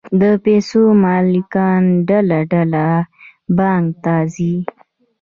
د پیسو مالکان ډله ډله بانک ته ځي